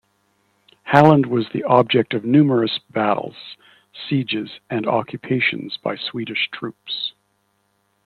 Halland was the object of numerous battles, sieges and occupations by Swedish troops.